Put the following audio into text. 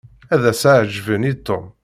Ad as-ɛejbeɣ i Tom.